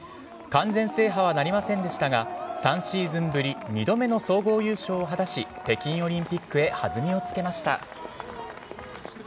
完全制覇はなりませんでしたが３シーズンぶり２度目の総合優勝を果たし北京オリンピックへ弾みをつけました。